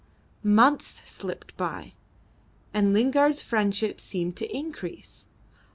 Months slipped by, and Lingard's friendship seemed to increase.